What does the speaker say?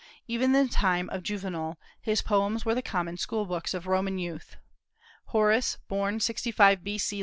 Even in the time of Juvenal his poems were the common school books of Roman youth. Horace, born 65 B.C.